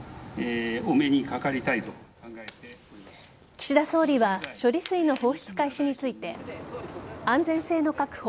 岸田総理は処理水の放出開始について安全性の確保